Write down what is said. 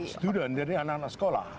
student dari anak anak sekolah